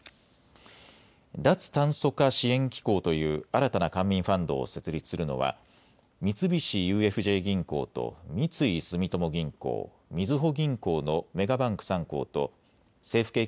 脱炭素化支援機構という新たな官民ファンドを設立するのは三菱ＵＦＪ銀行と三井住友銀行、みずほ銀行のメガバンク３行と政府系